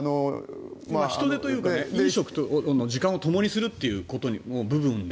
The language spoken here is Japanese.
人出というか飲食の時間をともにするという部分で。